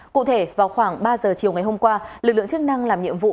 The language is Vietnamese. cụ thể vào khoảng ba giờ chiều ngày hôm qua lực lượng chức năng làm nhiệm vụ